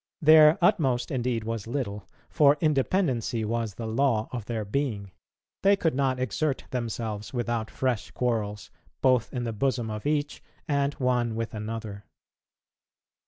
Their utmost indeed was little, for independency was the law of their being; they could not exert themselves without fresh quarrels, both in the bosom of each, and one with another.